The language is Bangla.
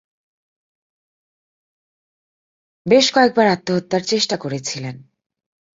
বেশ কয়েকবার আত্মহত্যার চেষ্টা করেছিলেন।